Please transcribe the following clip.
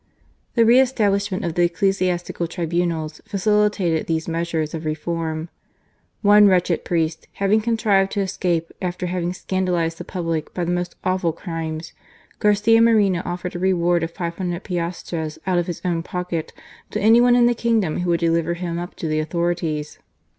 The re establishment of the ecclesiastical tribunals facilitated these measures of reform. One wretched priest having contrived to escape after having scan dalized the public by the most awful crimes, Garcia Moreno offered a reward of five hundred piastres out of his own pocket to any one in the kingdom who would deliver him up to the authorities.